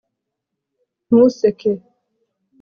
ntuseke